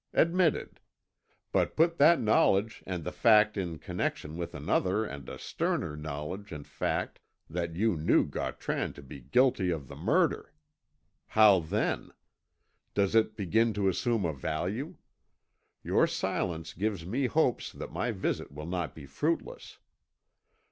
Admitted. But put that knowledge and that fact in connection with another and a sterner knowledge and fact that you knew Gautran to be guilty of the murder. How then? Does it begin to assume a value? Your silence gives me hopes that my visit will not be fruitless.